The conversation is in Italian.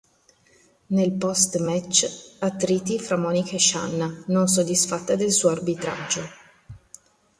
Nel post-match attriti fra Monica e Shanna, non soddisfatta del suo arbitraggio.